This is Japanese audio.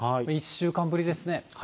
１週間ぶりですね。